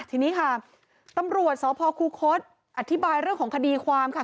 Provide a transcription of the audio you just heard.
ทีนี้ค่ะตำรวจสพคูคศอธิบายเรื่องของคดีความค่ะ